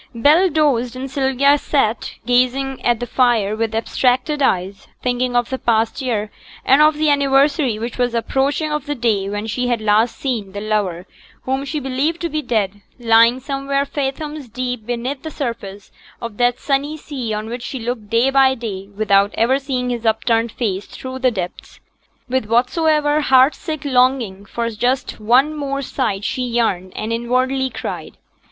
Bell dozed, and Sylvia sate gazing at the fire with abstracted eyes, thinking of the past year and of the anniversary which was approaching of the day when she had last seen the lover whom she believed to be dead, lying somewhere fathoms deep beneath the surface of that sunny sea on which she looked day by day without ever seeing his upturned face through the depths, with whatsoever heart sick longing for just one more sight she yearned and inwardly cried.